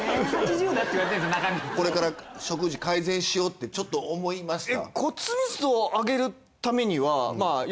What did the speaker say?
これから食事改善しようってちょっと思いました？